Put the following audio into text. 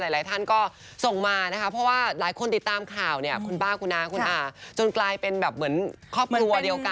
หลายท่านก็ส่งมานะคะเพราะว่าหลายคนติดตามข่าวเนี่ยคุณป้าคุณน้าคุณอาจนกลายเป็นแบบเหมือนครอบครัวเดียวกัน